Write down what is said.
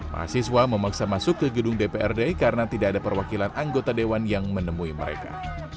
mahasiswa memaksa masuk ke gedung dprd karena tidak ada perwakilan anggota dewan yang menemui mereka